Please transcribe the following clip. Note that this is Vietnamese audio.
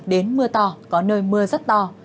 đến mưa to có nơi mưa rất to